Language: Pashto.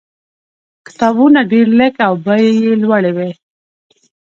کتابونه ډېر لږ او بیې یې لوړې وې.